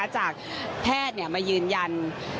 จากแพทย์มายืนยัน